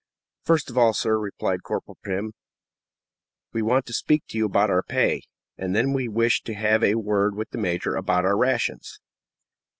"First of all, sir," replied the corporal, "we want to speak to you about our pay, and then we wish to have a word with the major about our rations."